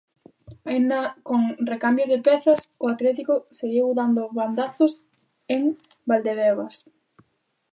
Aínda con recambio de pezas, o Atlético seguiu dando bandazos en Valdebebas.